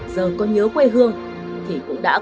giờ có nhớ quê hương thì cũng đã